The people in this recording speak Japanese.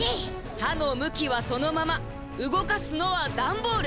「はのむきはそのままうごかすのはダンボール」！